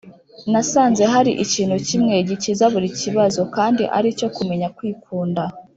nasanze hari ikintu kimwe gikiza buri kibazo, kandi aricyo: kumenya kwikunda.